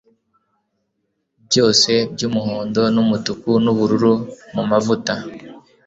Byose byumuhondo numutuku nubururu mumavuta